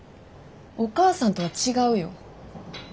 お母さんとは違うよ。